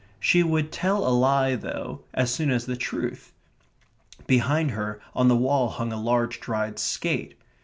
She would tell a lie, though, as soon as the truth. Behind her on the wall hung a large dried skate.